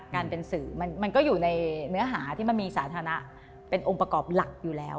การเป็นสื่อมันก็อยู่ในเนื้อหาที่มันมีสาธารณะเป็นองค์ประกอบหลักอยู่แล้ว